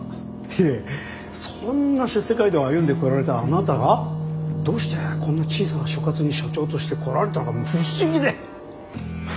いえそんな出世街道を歩んでこられたあなたがどうしてこんな小さな所轄に署長として来られたかもう不思議で。